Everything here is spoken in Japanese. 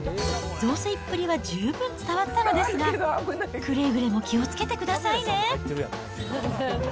増水っぷりは十分伝わったのですが、くれぐれも気をつけてくださいね。